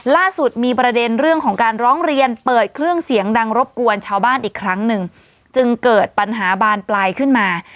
ล่าสุดมีประเด็นเรื่องของการร้องเรียนเปิดเครื่องเสียงดังรบกวนชาวบ้านอีกครั้งหนึ่งจึงเกิดปัญหาบานปลายขึ้นมา